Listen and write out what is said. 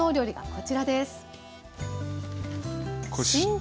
こちら主役です。